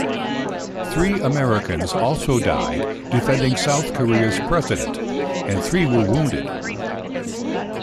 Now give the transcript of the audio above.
Three Americans also died defending South Korea's president, and three were wounded.